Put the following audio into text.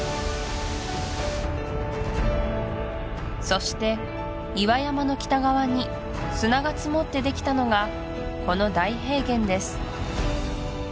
そして岩山の北側に砂が積もってできたのがこの大平原です